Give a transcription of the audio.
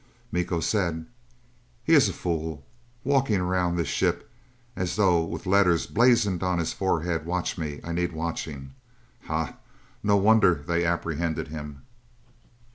Miko said, "He is a fool. Walking around this ship as though with letters blazoned on his forehead, 'Watch me.... I need watching.' Hah! No wonder they apprehended him!"